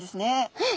えっ！？